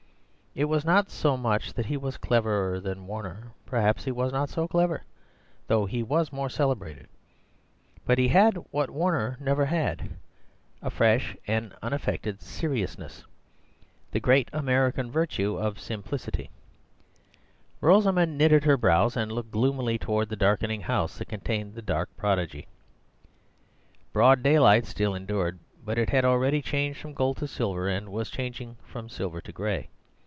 It was not so much that he was cleverer than Warner; perhaps he was not so clever, though he was more celebrated. But he had what Warner never had, a fresh and unaffected seriousness— the great American virtue of simplicity. Rosamund knitted her brows and looked gloomily toward the darkening house that contained the dark prodigy. Broad daylight still endured; but it had already changed from gold to silver, and was changing from silver to gray.